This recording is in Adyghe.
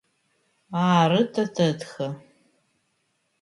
Ары, тэ тэтхэ.